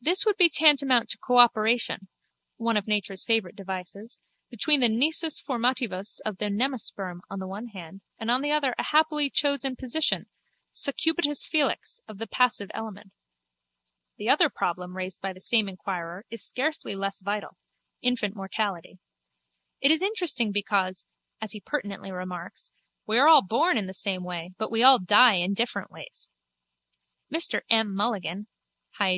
This would be tantamount to a cooperation (one of nature's favourite devices) between the nisus formativus of the nemasperm on the one hand and on the other a happily chosen position, succubitus felix, of the passive element. The other problem raised by the same inquirer is scarcely less vital: infant mortality. It is interesting because, as he pertinently remarks, we are all born in the same way but we all die in different ways. Mr M. Mulligan (Hyg.